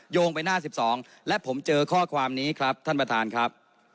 โยงไปหน้า๑๒และผมเจอข้อความนี้ครับท่านประธานครับ